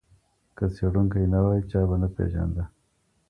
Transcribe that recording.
که څېړونکی نه وای چا به نه پېژانده.